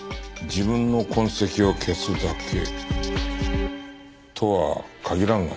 自分の痕跡を消すだけとは限らんがな。